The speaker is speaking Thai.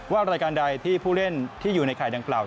ว่ารายการใดที่ผู้เล่นที่อยู่ในไข่ดังเปล่า